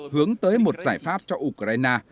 hướng tới một giải pháp cho ukraine